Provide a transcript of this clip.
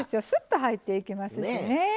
スッと入っていきますしね。